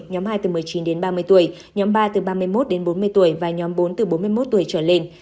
nhóm hai từ một mươi chín đến ba mươi tuổi nhóm ba từ ba mươi một đến bốn mươi tuổi và nhóm bốn từ bốn mươi một tuổi trở lên